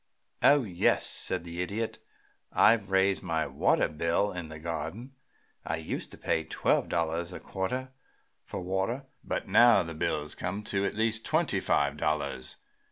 "Oh yes," said the Idiot. "I've raised my water bill in the garden. I used to pay twelve dollars a quarter for water, but now the bills come to at least twenty five dollars.